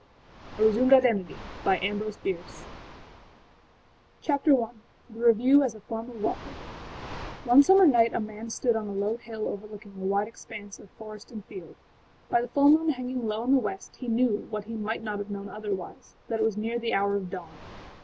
7354A Resumed IdentityAmbrose Bierce Chapter I: The Review As a Form of Welcome[edit] One summer night a man stood on a low hill overlooking a wide expanse of forest and field. By the full moon hanging low in the west he knew what he might not have known otherwise: that it was near the hour of dawn.